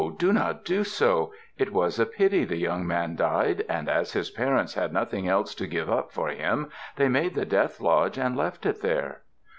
Do not do so. It was a pity the young man died, and as his parents had nothing else to give up for him they made the death lodge and left it there."